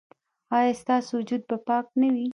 ایا ستاسو وجود به پاک نه وي؟